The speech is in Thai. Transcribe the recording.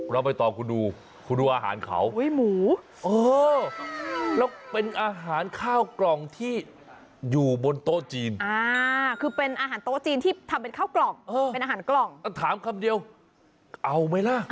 แล้วไว้ตอนคุณดูคุณดูอาหารเขา